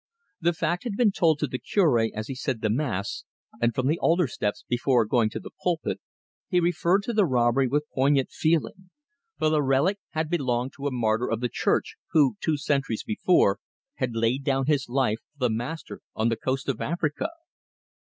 The fact had been told to the Cure as he said the Mass, and from the altar steps, before going to the pulpit, he referred to the robbery with poignant feeling; for the relic had belonged to a martyr of the Church, who, two centuries before, had laid down his life for the Master on the coast of Africa.